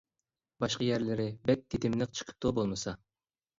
باشقا يەرلىرى بەك تېتىملىق چىقىپتۇ بولمىسا.